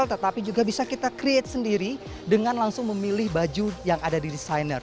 tetapi juga bisa kita create sendiri dengan langsung memilih baju yang ada di desainer